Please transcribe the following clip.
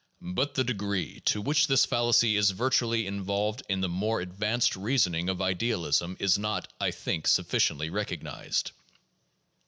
But the degree to which this fallacy is virtually involved in the more advanced reasoning of idealism, is not, I think, sufficiently recognized.